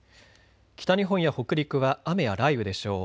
北日本や北陸は雨や雷雨でしょう。